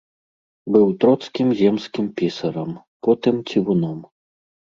Быў троцкім земскім пісарам, потым цівуном.